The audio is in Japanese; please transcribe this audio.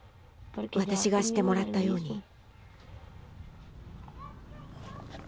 私がしてもらったように。